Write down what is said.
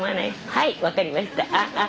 はい分かりました。